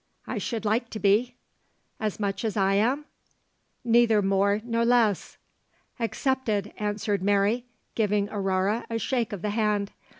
'I should like to be.' 'As much as I am?' 'Neither more nor less.' 'Accepted,' answered Mary, giving Aurore a shake of the hand.